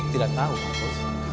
aku tidak tahu